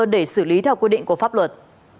để xử lý theo quy định của pháp luật